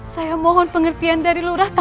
saya mohon pengertian dari lurah